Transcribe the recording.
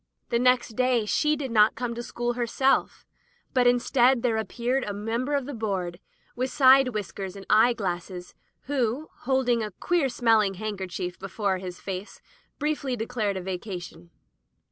The next day she did not come to school herself, but instead there appeared a member of the board, with side whiskers and eye glasses, who, holding a queer smelling handkerchief before his face, briefly declared a vacation.